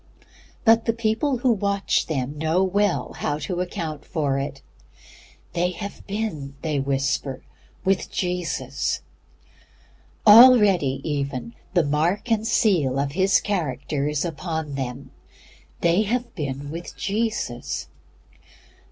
But the people who watch them know well how to account for it "They have been," they whisper, "with Jesus." Already even, the mark and seal of His character is upon them "They have been with Jesus."